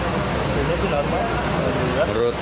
hasilnya senar sesehatan